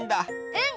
うん！